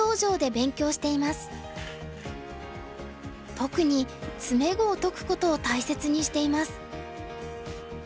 特に詰碁を解くことを大切にしています。